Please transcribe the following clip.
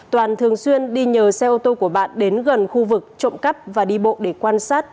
toàn thường xuyên đi nhờ xe ô tô của bạn đến gần khu vực trộm cắp và đi bộ để quan sát